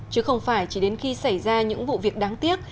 chứ không phải chỉ đến khi xảy ra những vụ việc đáng tiếc